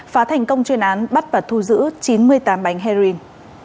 phá thành công chuyên án bắt và thu giữ chín mươi tám bánh heroin